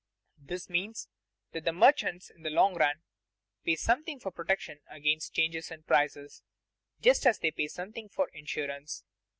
This means that the merchants in the long run pay something for protection against changes in prices, just as they pay something for insurance.